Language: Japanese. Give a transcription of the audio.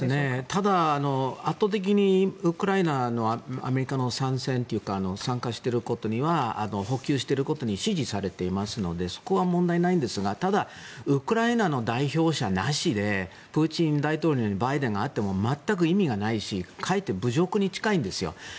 ただ、圧倒的にアメリカの参戦というか参加していることには補給していることに支持されていますのでそこは問題ないんですがただ、ウクライナの代表者なしでプーチン大統領にバイデン大統領が会っても全く意味がないしかえって侮辱に近いんです。